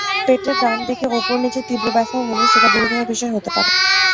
পেটের ডান দিকে ওপর-নিচে তীব্র ব্যথা হলে, সেটা গুরুতর বিষয় হতে পারে।